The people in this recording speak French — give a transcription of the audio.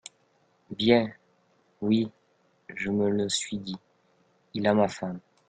Bien, oui, je me le suis dit : "Il a ma femme !